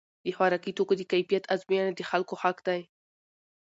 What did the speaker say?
د خوراکي توکو د کیفیت ازموینه د خلکو حق دی.